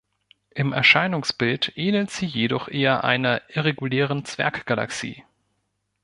Im Erscheinungsbild ähnelt sie jedoch eher einer irregulären Zwerggalaxie.